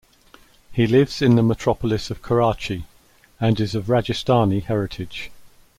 He lives in the metropolis of Karachi, and is of Rajasthani heritage.